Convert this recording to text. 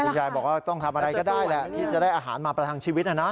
ยายบอกว่าต้องทำอะไรก็ได้แหละที่จะได้อาหารมาประทังชีวิตนะนะ